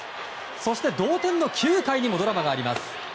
そして同点の９回にもドラマがあります。